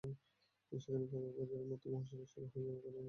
সেখানেও পদুয়ার বাজারের মতো মহাসড়ক সরু হয়ে যাওয়ার কারণে যানবাহনের গতি কম।